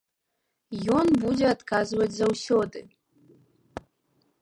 Ён будзе адказваць заўсёды.